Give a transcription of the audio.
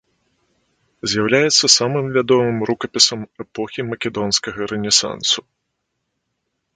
З'яўляецца самым вядомым рукапісам эпохі македонскага рэнесансу.